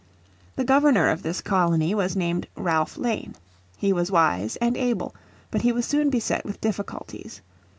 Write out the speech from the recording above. The Governor of this colony was named Ralph Lane. He was wise and able, but he was soon beset with difficulties.